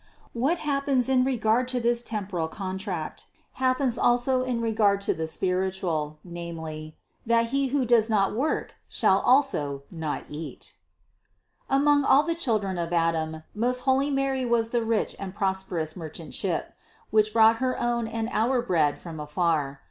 What happens in regard to this temporal contract, happens also in regard to the spiritual, namely, that he who does not work shall also not eat. 780. Among all the children of Adam most holy Mary was the rich and prosperous merchant ship, which brought her own and our bread from afar.